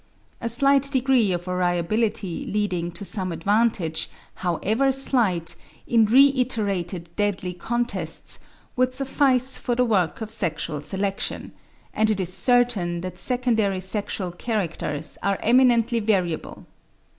A slight degree of variability leading to some advantage, however slight, in reiterated deadly contests would suffice for the work of sexual selection; and it is certain that secondary sexual characters are eminently variable.